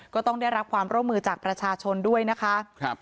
ก็ต้องได้รับความร่วมมือจากประชาชนด้วยนะคะ